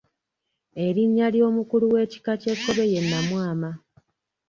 Erinnya ly’omukulu w’ekika ky’Ekkobe ye Nnamwama.